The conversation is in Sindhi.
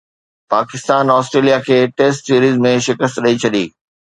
پاڪستان آسٽريليا کي ٽيسٽ سيريز ۾ شڪست ڏئي ڇڏي